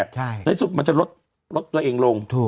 ในสุดมันจะลดตัวเองลง